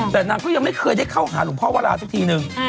แต่นางก็ยังไม่เคยได้เข้าหาหลวงพ่อวราสักทีนึง